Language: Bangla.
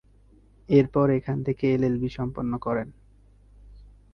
এরপর এখান থেকেই এলএলবি সম্পন্ন করেন।